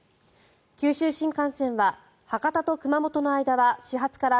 九州新幹線は博多と熊本の間は始発から